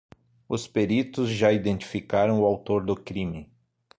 Os peritos já identificaram o autor do crime.